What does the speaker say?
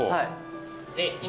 今。